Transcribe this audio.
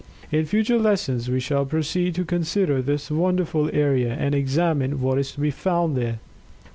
In future lessons we shall proceed to consider this wonderful area, and examine what is to be found there.